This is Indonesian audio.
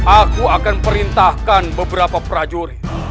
aku akan perintahkan beberapa prajurit